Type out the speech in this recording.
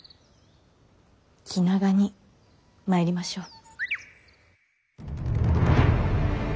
気長にまいりましょう。